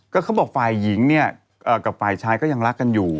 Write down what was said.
ก็เขาบอกฝ่ายหญิงเนี่ยกับฝ่ายชายก็ยังรักกันอยู่